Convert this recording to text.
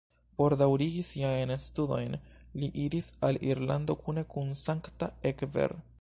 Por daŭrigi siajn studojn, li iris al Irlando kune kun Sankta Egbert.